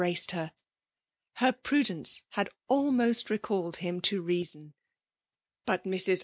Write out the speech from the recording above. braced her. Her prudence liad almbst recalled 'him to treason. But Mts.